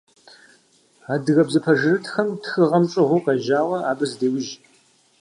Адыгэбзэ пэжырытхэм тхыгъэм щӏыгъуу къежьауэ, абы зыдеужь.